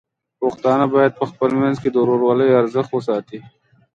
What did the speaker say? پښتانه بايد په خپل منځ کې د ورورولۍ ارزښت وساتي.